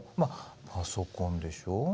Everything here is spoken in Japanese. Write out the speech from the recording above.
パソコンでしょ？